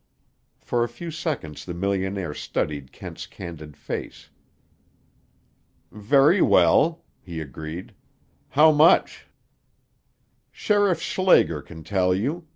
For a few seconds the millionaire studied Kent's candid face. "Very well," he agreed. "How much?" "Sheriff Schlager can tell you.